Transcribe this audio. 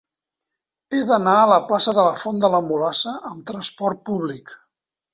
He d'anar a la plaça de la Font de la Mulassa amb trasport públic.